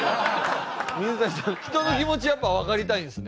水谷さん人の気持ちやっぱわかりたいんですね。